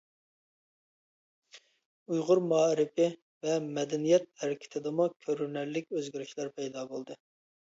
ئۇيغۇر مائارىپى ۋە مەدەنىيەت ھەرىكىتىدىمۇ كۆرۈنەرلىك ئۆزگىرىشلەر پەيدا بولدى.